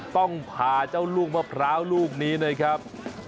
ต้องพาเจ้าลูกมะพร้าวลูกนี้นะครับ